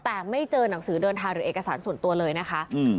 แต่ไม่เจอหนังสือเดินทางหรือเอกสารส่วนตัวเลยนะคะ